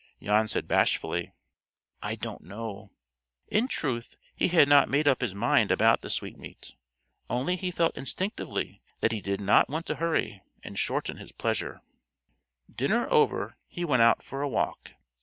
Jan said bashfully, "I don't know." In truth, he had not made up his mind about the sweetmeat, only he felt instinctively that he did not want to hurry, and shorten his pleasure. Dinner over, he went out for a walk.